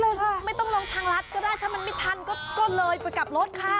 โลงทางรัดก็ได้ถ้ามันไม่ทันก็เลยไปกลับรถค่ะ